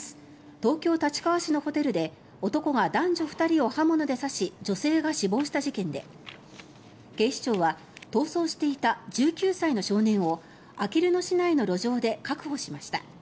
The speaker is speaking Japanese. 東京・立川市のホテルで男が男女２人を刃物で刺し女性が死亡した事件で警視庁は逃走していた１９歳の少年をあきる野市内の路上で確保しました。